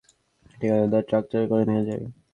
ঠিকাদার তার ট্রাক্টরে করে নিয়ে যায়।